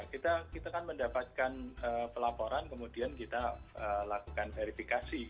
kita kan mendapatkan pelaporan kemudian kita lakukan verifikasi